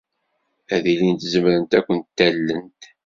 Ad ilint zemrent ad kent-allent.